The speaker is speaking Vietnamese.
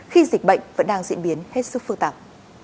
khi dịch bệnh vẫn đang diễn biến hết sức phức tạp